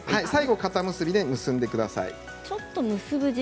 最後、固結びで結んでやってください。